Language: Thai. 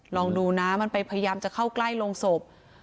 ลองดูนะมันไปพยายามจะเข้าใกล้โรงศพ